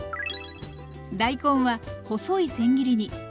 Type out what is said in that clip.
大根は細いせん切りに。